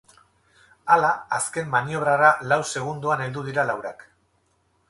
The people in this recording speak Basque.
Hala, azken maniobrara lau segundoan heldu dira laurak.